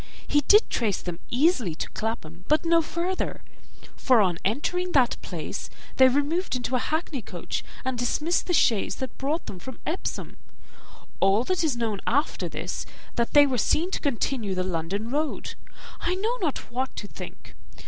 He did trace them easily to Clapham, but no farther; for on entering that place, they removed into a hackney coach, and dismissed the chaise that brought them from Epsom. All that is known after this is, that they were seen to continue the London road. I know not what to think.